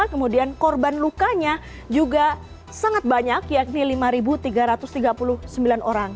kemudian korban lukanya juga sangat banyak yakni lima tiga ratus tiga puluh sembilan orang